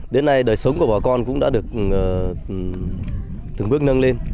đến nay đời sống của bà con cũng đã được từng bước nâng lên